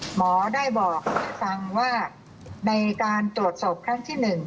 หมอได้บอกฟังว่าในการตรวจศพครั้งที่๑